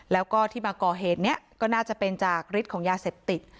แล้วก็ที่มาก่อเหตุนี้ก็น่าจะเป็นจากฤทธิ์ของยาเสพติด